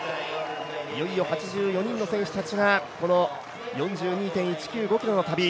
いよいよ８４人の選手たちが、この４２．１９５ｋｍの旅。